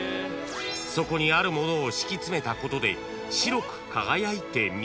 ［そこにあるものを敷き詰めたことで白く輝いて見え